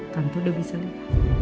tante udah bisa lihat